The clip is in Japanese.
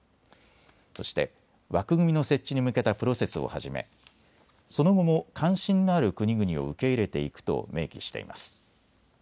そして枠組みの設置に向けたプロセスをはじめその後も関心のある国々を受け入れていくと明記しています。